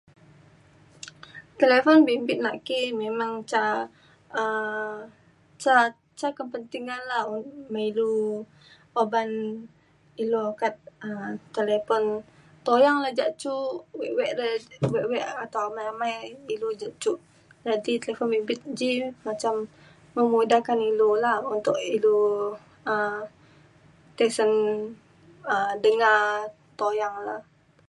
talifon bimbit naki memang ca um ca ca kepentingan la un- me ilu uban ilu ukat um talipon tuyang le ja cu wek wek da wek atau amai amai ilu je cuk. jadi talifon bimbit ji macam memudahkan ilu la untuk ilu um tisen um denga tuyang le